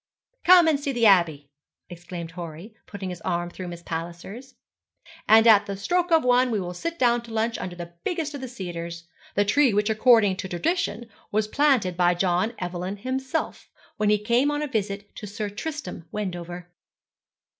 'Come and see the Abbey,' exclaimed Horry, putting his arm through Miss Palliser's, 'and at the stroke of one we will sit down to lunch under the biggest of the cedars the tree which according to tradition was planted by John Evelyn himself, when he came on a visit to Sir Tristram Wendover.'